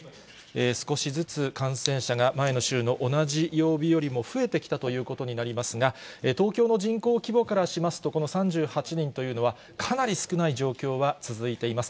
少しずつ感染者が前の週の同じ曜日よりも増えてきたということになりますが、東京の人口規模からしますと、この３８人というのは、かなり少ない状況は続いています。